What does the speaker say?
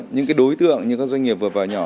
những cái đối tượng như các doanh nghiệp vừa và nhỏ